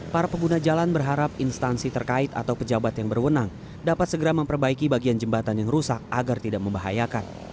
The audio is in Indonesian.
para pengguna jalan berharap instansi terkait atau pejabat yang berwenang dapat segera memperbaiki bagian jembatan yang rusak agar tidak membahayakan